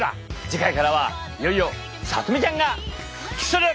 次回からはいよいよさとみちゃんが復帰する！